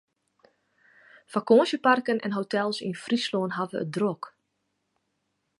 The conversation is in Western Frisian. Fakânsjeparken en hotels yn Fryslân hawwe it drok.